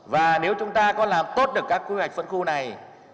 và nếu chúng ta có làm tốt được các quy hoạch phân khu này